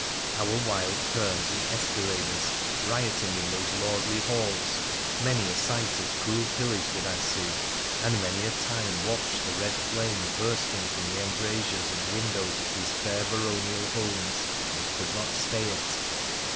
Our wild kerns and escaladers rioting in those lordly halls, many a sight of cruel pillage did I see, and many a time watched the red flame bursting from the embrasures and windows of these fair baronial homes, and could not stay it.